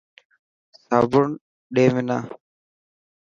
صابن ڏي منا.